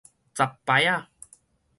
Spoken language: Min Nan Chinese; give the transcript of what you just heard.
雜牌的